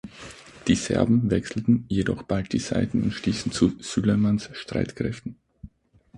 Die Serben wechselten jedoch bald die Seiten und stießen zu Süleymans Streitkräften.